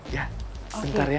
ya bentar ya